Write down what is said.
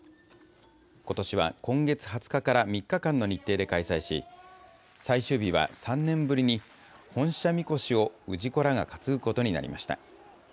ことしは、今月２０日から３日間の日程で開催し、最終日は３年ぶりに、本社神輿を氏子らが担ぐことになりました。